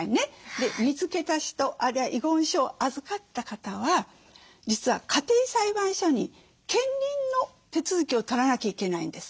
見つけた人あるいは遺言書を預かった方は実は家庭裁判所に検認の手続きを取らなきゃいけないんです。